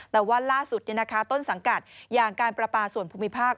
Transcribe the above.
แต่ว่าล่าสุดต้นสังกัดอย่างการประปาส่วนภูมิภาค